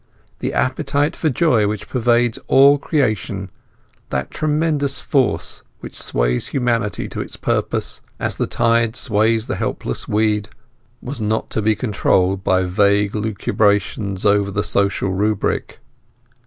The "appetite for joy" which pervades all creation, that tremendous force which sways humanity to its purpose, as the tide sways the helpless weed, was not to be controlled by vague lucubrations over the social rubric.